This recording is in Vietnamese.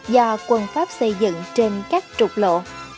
do quân pháp xây dựng trên các trục lộ